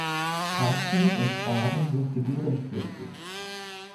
Parken und Baden sind gebührenpflichtig.